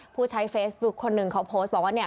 ผู้ใช้เฟซบุ๊คคนหนึ่งเขาโพสต์บอกว่าเนี่ย